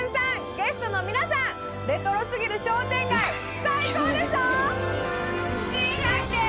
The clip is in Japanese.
ゲストの皆さんレトロすぎる商店街最高でしょ！